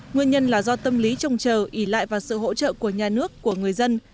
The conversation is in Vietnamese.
nguyên nhân là do tâm lý trông chờ ỉ lại vào sự hỗ trợ của nhà nước của người dân